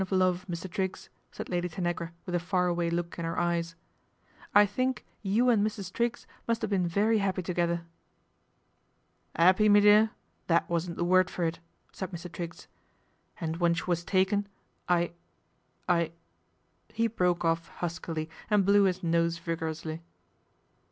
love, Mr. Triggs," said Lady Tanagra with a far away look in her eyes. " I think you and Mrs Triggs must have been very happy together." " 'Appy, me dear, that wasn't the word for it/ said Mr. Triggs. " And when she was taken, I I " he broke off huskily and blew his nos< vigorously.